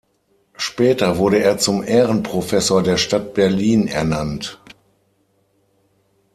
Später wurde er zum Ehrenprofessor der Stadt Berlin ernannt.